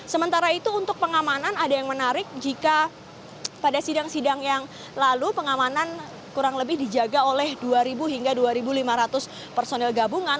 sementara itu untuk pengamanan ada yang menarik jika pada sidang sidang yang lalu pengamanan kurang lebih dijaga oleh dua hingga dua lima ratus personil gabungan